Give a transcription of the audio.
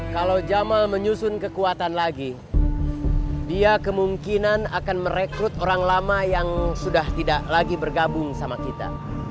kalau jamal menyusun kekuatan lagi dia kemungkinan akan merekrut orang lama yang sudah tidak lagi bergabung sama kita